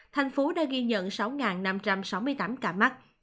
thành phố đã ghi nhận sáu năm trăm sáu mươi tám ca mắc